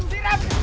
tidak tidak tidak